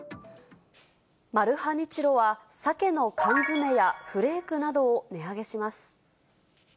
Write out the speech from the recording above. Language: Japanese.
マルハニチロはさけの缶詰やフレークなどを値上げします。